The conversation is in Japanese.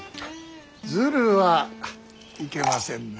ずるはいけませんな。